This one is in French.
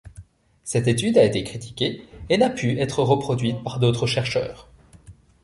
Cette étude a été critiquée et n'a pu être reproduite par d'autres chercheurs.